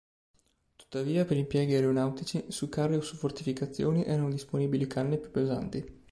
Tuttavia, per impieghi aeronautici, su carri o su fortificazioni erano disponibili canne più pesanti.